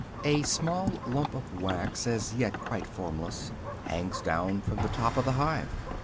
A small lump of wax, as yet quite formless, hangs down from the top of the hive.